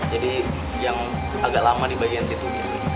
jadi yang agak lama di bagian situ